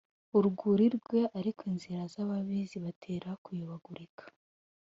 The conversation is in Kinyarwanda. urwuri rwe ariko inzira z’ababi zibatera kuyobagurika